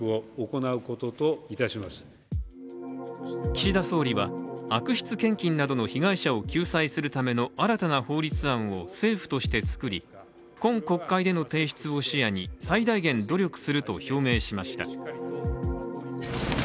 岸田総理は、悪質献金などの被害者を救済するための新たな法律案を政府として作り今国会での提出を視野に最大限努力すると表明しました。